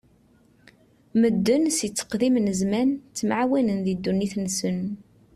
Medden si tteqdim n zzman ttemɛawanen di ddunit-nsen.